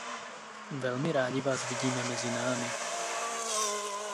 Velmi rádi vás vidíme mezi námi.